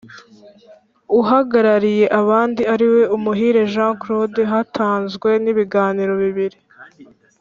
Uhagarariye abandi ariwe umuhire jean claude hatanzwe n ibiganiro bibiri